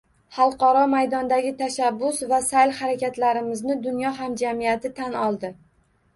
Xalqaro maydondagi tashabbus va saʼy-harakatlarimizni dunyo hamjamiyati tan oldi.